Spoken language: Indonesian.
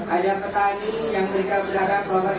ada petani yang berharap bahwa